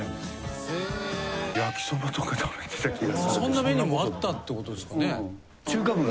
そんなメニューもあったってこと。